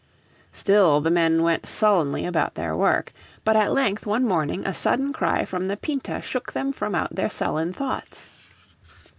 Still the men went sullenly about their work. But at length one morning a sudden cry from the Pinta shook them from out their sullen thoughts.